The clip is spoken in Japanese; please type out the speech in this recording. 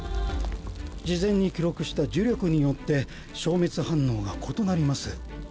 事前に記録した呪力によって消滅反応が異なります。